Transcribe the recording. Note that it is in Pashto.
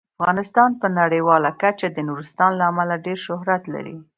افغانستان په نړیواله کچه د نورستان له امله ډیر شهرت لري.